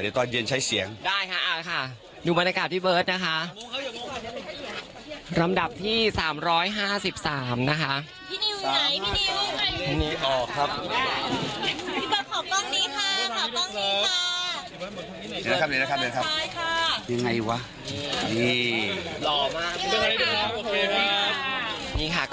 เหรอครับถึงกี่โมงครับพี่เบิร์ดเดี๋ยวสิค่ะไม่เหนื่อยเลย